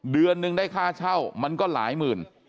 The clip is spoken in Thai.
เดือนนึงได้ค่าเช่ามันก็หลายหมื่น